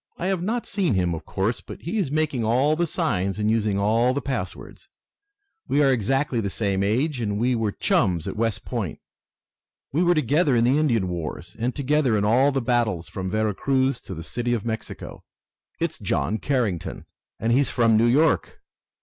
"I have not seen him, of course, but he is making all the signs and using all the passwords. We are exactly the same age, and we were chums at West Point. We were together in the Indian wars, and together in all the battles from Vera Cruz to the City of Mexico. It's John Carrington, and he's from New York!